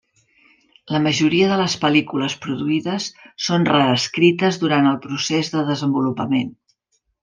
La majoria de les pel·lícules produïdes són reescrites durant el procés de desenvolupament.